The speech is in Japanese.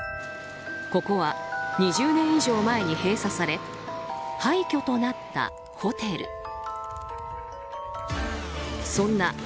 ここは２０年以上前に閉鎖され廃墟となったホテル。